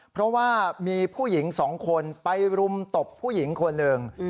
เพราะว่ามีผู้หญิงสองคนไปรุมตบผู้หญิงคนหนึ่ง